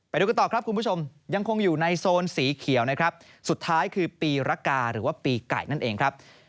ไปดูกันต่อครับคุณผู้ชมยังคงอยู่ในโซนสีเขียวนะครับสุดท้ายคือปีรกาหรือว่าปีไก่นั่นเองครับ